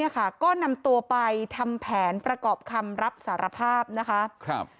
ก็นำตัวไปทำแผนประกอบคำรับสารภาพนะคะ